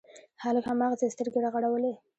هلک هماغسې سترګې رغړولې.